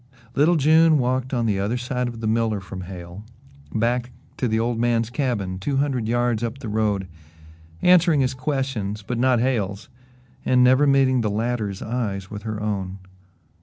Little June walked on the other side of the miller from Hale back to the old man's cabin, two hundred yards up the road, answering his questions but not Hale's and never meeting the latter's eyes with her own.